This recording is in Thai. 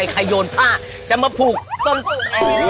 ใครโยนผ้าจะมาผูกต้มปลูกไง